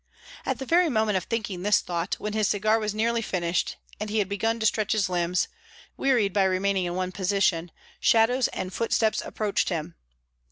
At the very moment of thinking this thought, when his cigar was nearly finished and he had begun to stretch his limbs, wearied by remaining in one position, shadows and footsteps approached him.